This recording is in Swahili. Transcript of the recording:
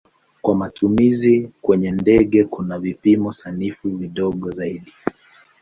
Kwa matumizi kwenye ndege kuna vipimo sanifu vidogo zaidi.